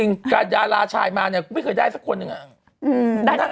มียาลาชายมามีใครได้ผู้ชายนึง